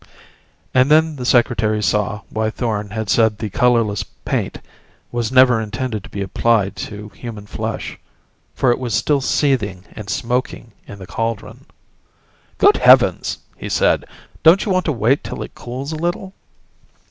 And then the Secretary saw why Thorn had said the colorless paint was never intended to be applied to human flesh. For it was still seething and smoking in the cauldron. "Good heavens!" he said. "Don't you want to wait till it cools a little?"